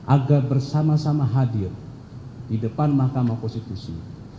agar bersama sama hadir di depan mahkamah konstitusi